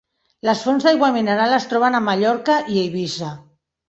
Les fonts d'aigua mineral es troben a Mallorca i Eivissa.